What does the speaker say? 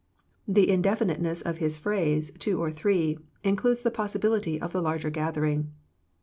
The indefiniteness of His phrase " two or three " includes the possi bility of the larger gathering.